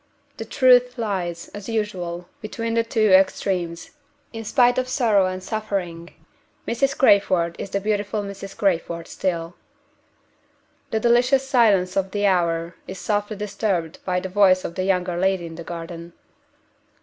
The truth lies, as usual, between the two extremes. In spite of sorrow and suffering, Mrs. Crayford is the beautiful Mrs. Crayford still. The delicious silence of the hour is softly disturbed by the voice of the younger lady in the garden.